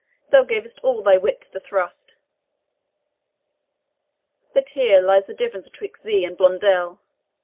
thou gavest all thy wit to the thrust. But here lies the difference betwixt thee and Blondel.